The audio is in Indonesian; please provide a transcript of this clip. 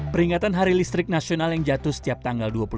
peringatan hari listrik nasional yang jatuh setiap tanggal